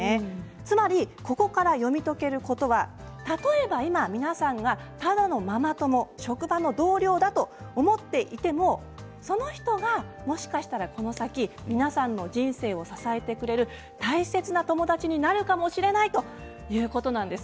つまりここから読み解けることは例えば、今、皆さんがただのママ友職場の同僚だと思っていてもその人が、もしかしたらこの先、皆さんの人生を支えてくれる大切な友達になるかもしれないということなんです。